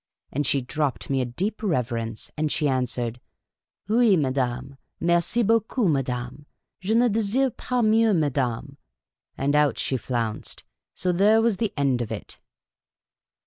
And she dropped me a deep rever ence, and she answered :' Qui, viadavic ; vicrci beaucoup, viadame ; jc ne disirc pas micux, viadamc' And out .she flounced. So there was the end of it."